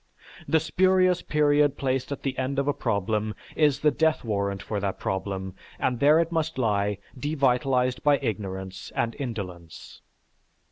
The spurious period placed at the end of a problem is the death warrant for that problem and there it must lie devitalized by ignorance and indolence.